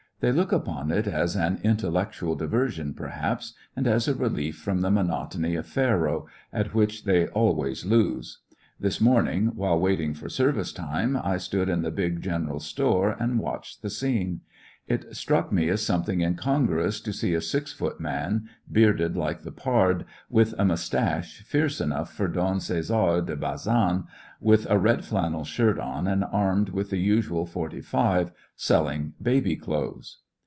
They look upon it as an intellectual diversion perhaps^ and as a relief from the monotony of faro, at which they al ways lose. This morningj while waiting for service time, I stood in the big 'general store' and watched the scene. It struck me as something incongruous to see a sis* foot man, bearded like the pard^ with a mustache fierce enough for Don Cesar de Bazan, with a red flannel shirt on^ and armed with the usual forty five, selling baby clothes.